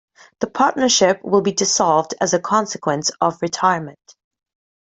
The partnership will be dissolved as a consequence of retirement.